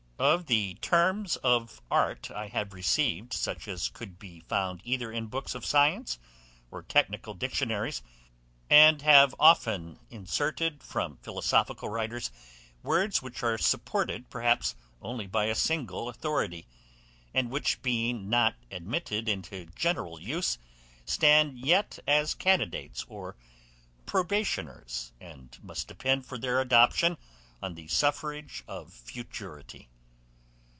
Of the terms of art I have received such as could be found either in books of science or technical dictionaries; and have often inserted, from philosophical writers, words which are supported perhaps only by a single authority, and which being not admitted into general use, stand yet as candidates or probationers, and must depend for their adoption on the suffrage of futurity.